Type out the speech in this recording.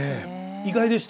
意外でした。